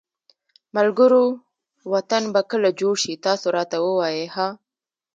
ملګروو وطن به کله جوړ شي تاسو راته ووایی ها